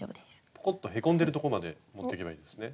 ぽこっとへこんでるとこまで持っていけばいいんですね。